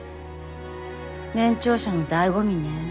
年長者のだいご味ね。